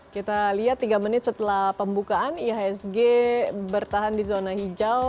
kita lihat tiga menit setelah pembukaan ihsg bertahan di zona hijau